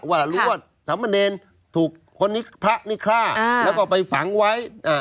ว่ารู้ว่าสำเร็จถูกคนพระนี่ฆ่าอ่าแล้วก็ไปฝังไว้อ่า